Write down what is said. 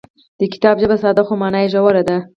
د کتاب ژبه ساده خو مانا یې ژوره ده.